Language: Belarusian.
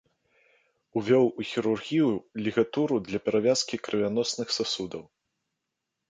Увёў у хірургію лігатуру для перавязкі крывяносных сасудаў.